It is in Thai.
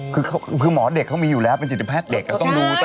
คือหมอเด็กเค้ามีอยู่แล้วเป็นจิตแพทย์เด็กเค้าต้องรู้ใช่